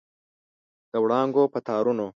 د وړانګو په تارونو